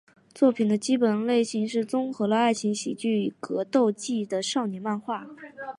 作品的基本类型是综合了爱情喜剧与格斗技的少年漫画。